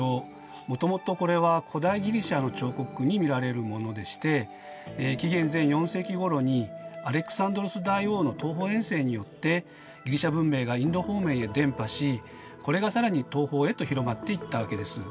もともとこれは古代ギリシアの彫刻に見られるものでして紀元前４世紀ごろにアレクサンドロス大王の東方遠征によってギリシア文明がインド方面へ伝播しこれが更に東方へと広まっていったわけです。